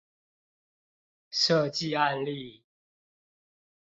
設計案例